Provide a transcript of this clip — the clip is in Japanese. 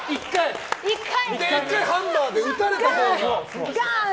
１回ハンマーで打たれたほうが。